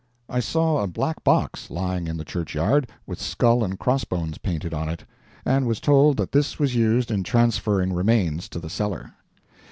I saw a black box lying in the churchyard, with skull and cross bones painted on it, and was told that this was used in transferring remains to the cellar.